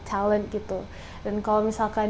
talent gitu dan kalau misalkan